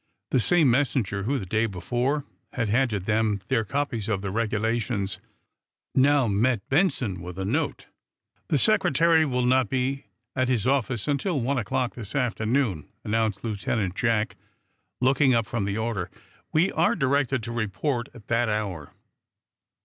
The same messenger who, the day before, had handed them their copies of the Regulations, now met Benson with a note. "The Secretary will not be at his office until one o'clock this afternoon," announced Lieutenant Jack, looking up from the order. "We are directed to report at that hour."